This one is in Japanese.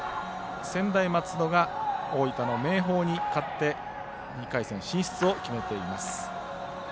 専大松戸が大分の明豊に勝って２回戦進出を決めています。